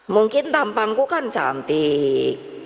mungkin tampangku kan cantik